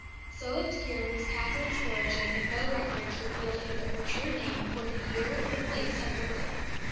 So obscure was Catherine's origin that no records reveal either her true name or the year or place of her birth.